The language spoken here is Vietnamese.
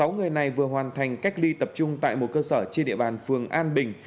sáu người này vừa hoàn thành cách ly tập trung tại một cơ sở trên địa bàn phường an bình